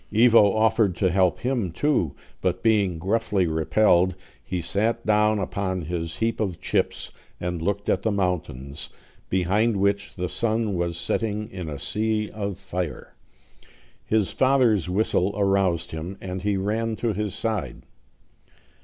Ivo offered to help him too; but being gruffly repelled, he sat down upon his heap of chips, and looked at the mountains, behind which the sun was setting in a sea of fire. His father's whistle aroused him, and he ran to his side.